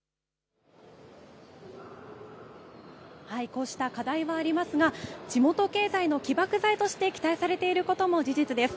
こうした課題はありますが、地元経済の起爆剤として期待されていることも事実です。